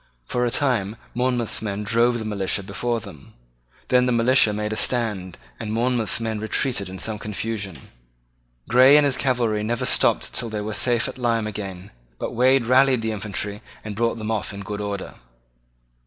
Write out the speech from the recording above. For a time Monmouth's men drove the militia before them. Then the militia made a stand, and Monmouth's men retreated in some confusion. Grey and his cavalry never stopped till they were safe at Lyme again: but Wade rallied the infantry and brought them off in good order.